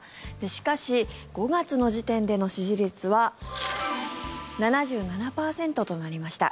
しかし、５月の時点での支持率は７７％となりました。